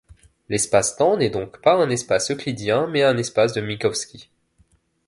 L’espace-temps n’est donc pas un espace euclidien, mais un espace de Minkowski.